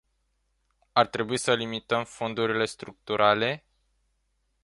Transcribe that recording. Ar trebui să limităm fondurile structurale?